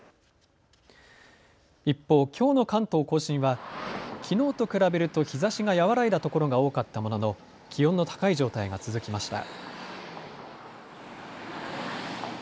一方、きょうの関東甲信はきのうと比べると日ざしが和らいだところが多かったものの気温の高い状態が続きました。